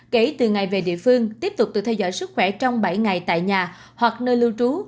kể từ ngày về địa phương tiếp tục được theo dõi sức khỏe trong bảy ngày tại nhà hoặc nơi lưu trú